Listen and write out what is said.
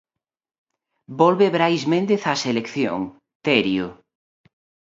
Volve Brais Méndez á selección, Terio.